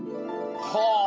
はあ！